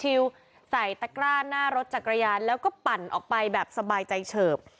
ใส่ตะกร้าหน้ารถจักรยานแล้วก็ปั่นออกไปแบบสบายใจเฉิบ